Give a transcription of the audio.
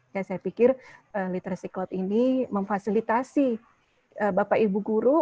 ya saya pikir literacy cloud ini memfasilitasi bapak ibu guru